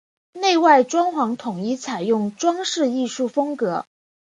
内外装潢统一采用装饰艺术风格。